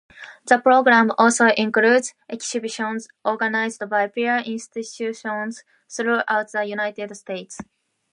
The program also includes exhibitions organized by peer institutions throughout the United States.